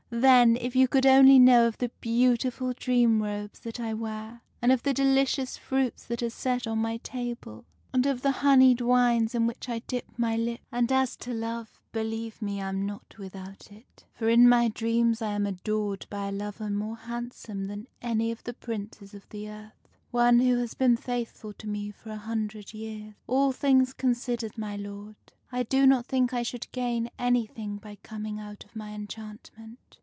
Then, if you could only know of the beautiful dream robes that I wear, and of the delicious fruits that are set on my table, and of the 20 THE FAIRY SPINNING WHEEL honeyed wines in which I dip my lips ! And, as to love, believe me, I am not without it ; for in my dreams I am adored by a lover more handsome than any of the Princes of the earth, one who has been faithful to me for a hundred years. All things considered, my lord, I do not think I should gain anything by coming out of my enchantment.